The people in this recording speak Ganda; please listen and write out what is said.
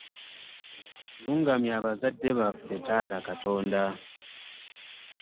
Luŋŋamya abazadde baffe taata Katonda.